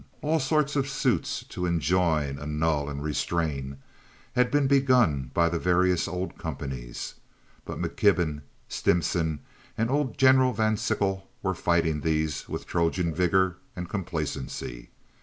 All sorts of suits to enjoin, annul, and restrain had been begun by the various old companies, but McKibben, Stimson, and old General Van Sickle were fighting these with Trojan vigor and complacency.